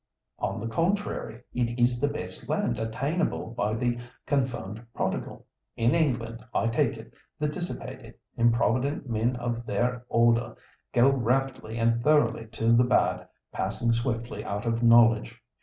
"On the contrary; it is the best land attainable by the confirmed prodigal. In England, I take it, the dissipated, improvident men of their order go rapidly and thoroughly to the bad, passing swiftly out of knowledge.